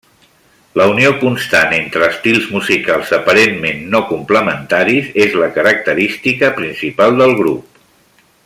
La unió constant entre estils musicals aparentment no complementaris és la característica principal del grup.